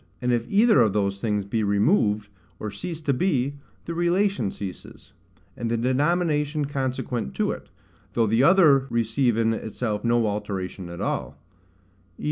And if either of those things be removed, or cease to be, the relation ceases, and the denomination consequent to it, though the other receive in itself no alteration at all; v.